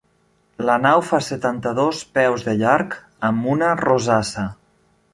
La nau fa setanta-dos peus de llarg, amb una rosassa.